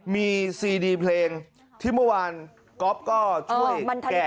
มีซีดีเพลงที่เมื่อวานก๊อฟก็ช่วยแก่